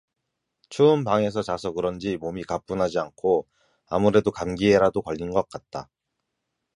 추운 방에서 자서 그런지 몸이 가뿐하지 않고 아무래도 감기에라도 걸린 것 같다.